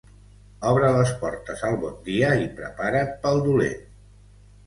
Obre les portes al bon dia i prepara't pel dolent.